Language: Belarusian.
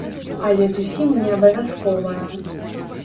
Але зусім не абавязковая.